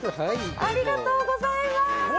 ありがとうございます。